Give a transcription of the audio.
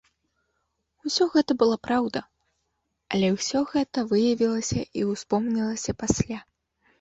Усё гэта была праўда, але ўсё гэта выявілася і ўспомнілася пасля.